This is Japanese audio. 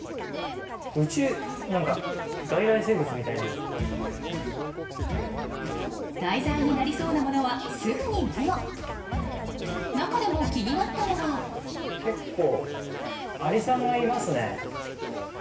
宇宙何か題材になりそうなものはすぐにメモ中でも気になったのは結構アリさんがいますね。